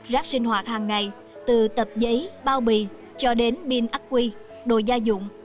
rác sinh hoạt hàng ngày từ tập giấy bao bì cho đến pin ác quy đồ gia dụng